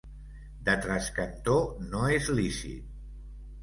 De trascantó no és lícit.